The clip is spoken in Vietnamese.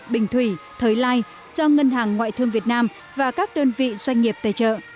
bình thủy thới lai do ngân hàng ngoại thương việt nam và các đơn vị doanh nghiệp tài trợ